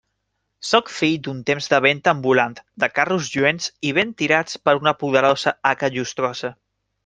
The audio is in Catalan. Sóc fill d'un temps de venda ambulant, de carros lluents i ben tirats per una poderosa haca llustrosa.